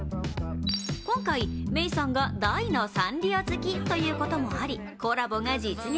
今回、メイさんが大のサンリオ好きということもありコラボが実現。